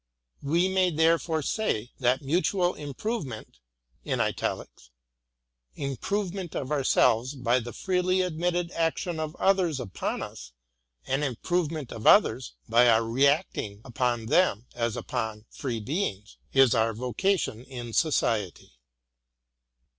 We may therefore say, that mutual improvement — improvement of ourselves by the freely admitted action of others upon us, and improvement of others by our re action upon them as upon free beings, — is our vocation in Society.